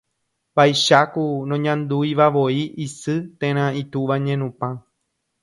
Vaicháku noñanduivavoi isy térã itúva ñenupã.